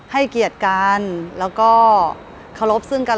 ให้เกียรติกันแล้วก็เคารพซึ่งกัน